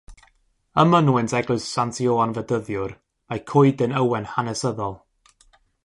Ym mynwent eglwys Sant Ioan Fedyddiwr mae coeden ywen hanesyddol.